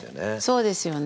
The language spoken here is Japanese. そうですよね。